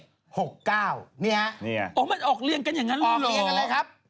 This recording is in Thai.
นี่ครับนี่ครับอ๋อมันออกเลี่ยงกันอย่างนั้นหรอออกเลี่ยงกันเลยครับ